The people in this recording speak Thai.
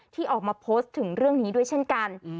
ที่ออกมาโพสต์ถึงเรื่องนี้ด้วยเช่นกัน